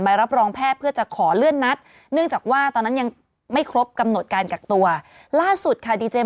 ใบรับรองแพทย์เพื่อจะขอเลื่อนนัด